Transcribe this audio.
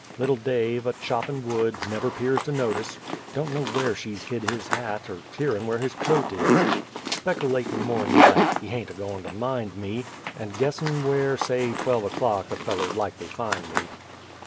Little Dave, a choppin' wood, never 'pears to notice; Don't know where she's hid his hat, er keerin' where his coat is, Specalatin', more'n like, he haint a goin' to mind me, And guessin' where, say twelve o'clock, a feller'd likely find me.